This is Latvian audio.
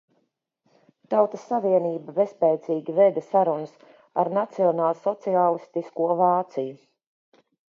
Tautas savienība bezspēcīgi veda sarunas ar nacionālsociālistisko Vāciju.